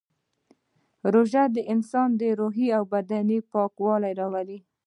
روژه د انسان روحي او بدني پاکي راولي